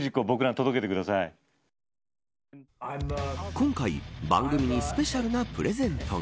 今回、番組にスペシャルなプレゼントが。